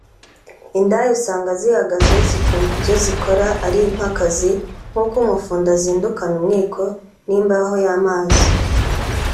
Indaya usanga zihagazeho zikumva ibyo zikora ari nk’akazi nk’uko umufundi azindukana umwiko n’imbaho y’amazi